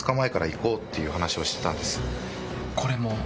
これも？